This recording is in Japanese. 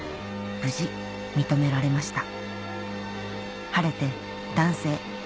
無事認められました